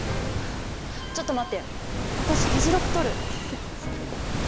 ちょっと待って私、議事録とる。